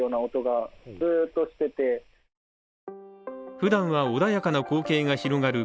ふだんは穏やかな光景が広がる